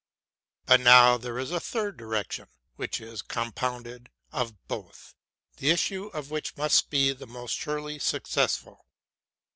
But now there is a third direction, which is compounded of both, and the issue of which must be the most surely suc cessful.